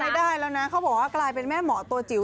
ไม่ได้แล้วนะเขาบอกว่ากลายเป็นแม่หมอตัวจิ๋ว